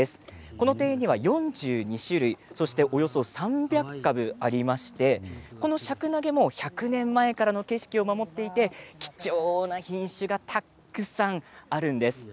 この庭園には４２種類そしておよそ３００株ありましてこのシャクナゲも１００年前からの景色を守っていて貴重な品種がたくさんあるんです。